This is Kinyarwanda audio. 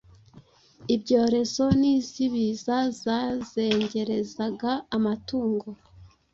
ibyorezo n’iz’ibiza zazengerezaga amatungo.